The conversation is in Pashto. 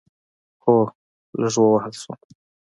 هو، لږ ووهل شوم